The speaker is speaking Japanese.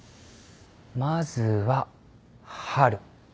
まずは春。